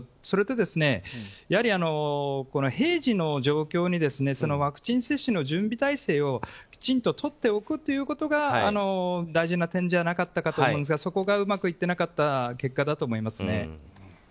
それと、平時の状況にワクチン接種の準備体制をきちんととっておくということが大事な点じゃなかったかと思うんですがそこがうまくいっていなかった結果だと思いますね。